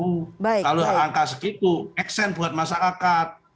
kalau angka segitu eksen buat masyarakat